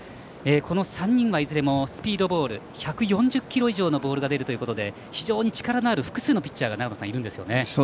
この３人はいずれもスピードボール１４０キロ以上のボールが出るということで非常に力のある複数のピッチャーが長野さん、いるんですよね。